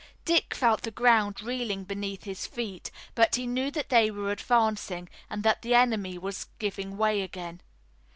Dick felt the ground reeling beneath his feet, but he knew that they were advancing and that the enemy was giving way again.